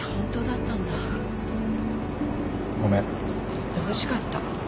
言ってほしかった。